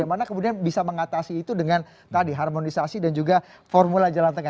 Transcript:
bagaimana kemudian bisa mengatasi itu dengan tadi harmonisasi dan juga formula jalan tengah